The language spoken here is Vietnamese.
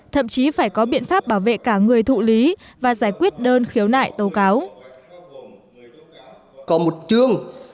thậm chí phải có biện pháp bảo vệ cả người thụ lý và giải quyết đơn khiếu nại tố cáo